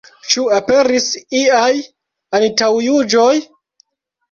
Ĉu aperis iaj antaŭjuĝoj?